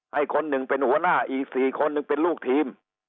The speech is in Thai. ให้คนหนึ่งเป็นหัวหน้าอีก๔คนหนึ่งเป็นลูกทีม